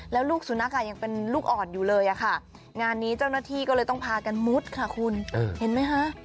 แล้วลูกสุนัขยังเป็นลูกอ่อนอยู่เลยค่ะงานนี้เจ้าหน้าที่ก็เลยต้องพากันมุดค่ะคุณเห็นไหมคะ